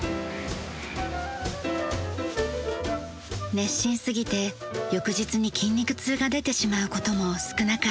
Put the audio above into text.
熱心すぎて翌日に筋肉痛が出てしまう事も少なくありません。